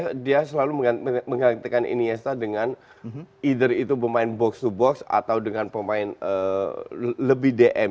karena coutinho selalu menggantikan iniesta dengan either itu pemain box to box atau dengan pemain lebih dm